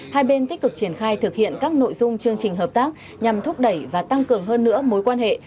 hai bên tích cực triển khai thực hiện các nội dung chương trình hợp tác nhằm thúc đẩy và tăng cường hơn nữa mối quan hệ